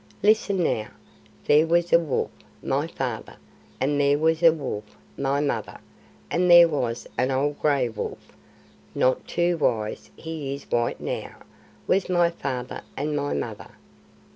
Listen now: There was a wolf, my father, and there was a wolf, my mother, and there was an old gray wolf (not too wise: he is white now) was my father and my mother.